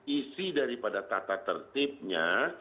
isi daripada tata tertibnya